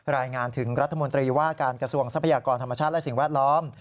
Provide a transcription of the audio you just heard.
รายงานถึงรัฐมนตรีว่าการกระทรวงทรัพยากรธรรมชาติและสิ่งแวดล้อม